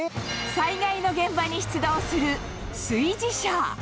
災害の現場に出動する炊事車。